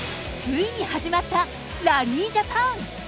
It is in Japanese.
ついに始まったラリージャパン。